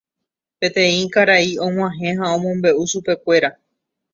Peteĩ karai og̃uahẽ ha omombe'u chupekuéra.